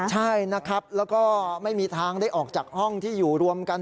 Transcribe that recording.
ใช่นะครับแล้วก็ไม่มีทางได้ออกจากห้องที่อยู่รวมกัน